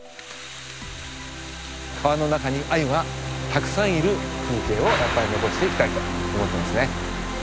川の中にアユがたくさんいる風景をやっぱり残していきたいと思ってますね。